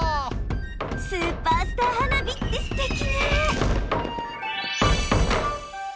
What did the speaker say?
スーパースター花火ってステキね！